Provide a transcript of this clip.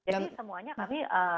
jadi semuanya kami